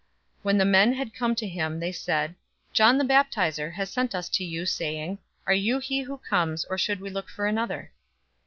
007:020 When the men had come to him, they said, "John the Baptizer has sent us to you, saying, 'Are you he who comes, or should we look for another?'"